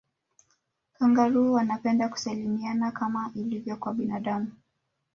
kangaroo wanapenda kusalimiana kama ilivyo kwa binadamu